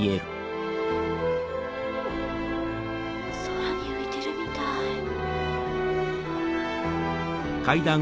空に浮いてるみたい。